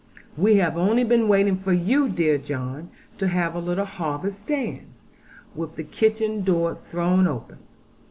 We have only been waiting for you, dear John, to have a little harvest dance, with the kitchen door thrown open.